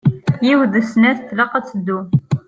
Yiwet deg-sent tlaq ad teddu.